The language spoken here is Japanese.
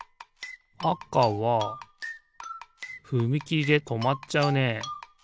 あかはふみきりでとまっちゃうね。